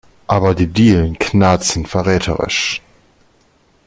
Aber die Dielen knarzen verräterisch.